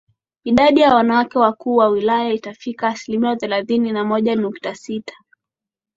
Idadi ya wanawake wakuu wa wilaya imefikia asilimia thelathini na moja nukta sita